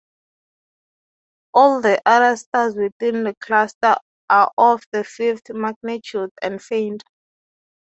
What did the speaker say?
All the other stars within the cluster are of the fifth magnitude and fainter.